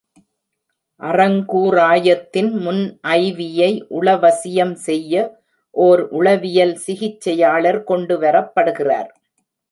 அறங்கூறாயத்தின் முன் ஐவியை உளவசியம் செய்ய ஓர் உளவியல் சிகிச்சையாளர் கொண்டு வரப்படுகிறார்.